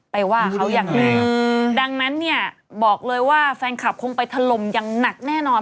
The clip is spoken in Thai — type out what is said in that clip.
ว่าเขายังไงดังนั้นเนี่ยบอกเลยว่าแฟนคลับคงไปถล่มอย่างหนักแน่นอน